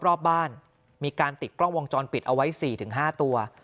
รอบบ้านมีการติดกล้องวงจรปิดเอาไว้๔๕ตัว